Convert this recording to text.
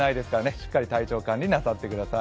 しっかり体調管理なさってください。